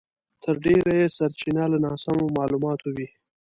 تر ډېره یې سرچينه له ناسمو مالوماتو وي.